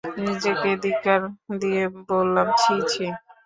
নিজকে ধিক্কার দিয়ে বললাম, ছি ছি!